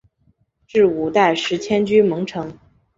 至五代时迁居蒙城。